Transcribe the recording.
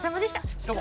どうも。